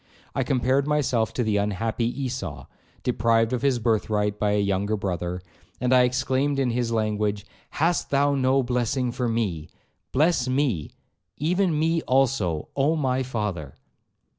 I compared myself to the unhappy Esau, deprived of his birthright by a younger brother, and I exclaimed in his language, 'Hast thou no blessing for me! Bless me, even me also, Oh my father!'